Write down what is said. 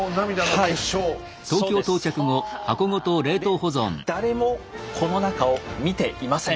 で誰もこの中を見ていません。